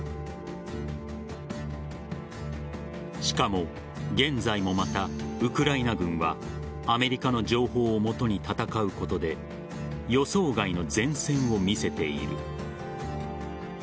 しかも、現在もまたウクライナ軍はアメリカの情報を基に戦うことで予想外の善戦を見せている。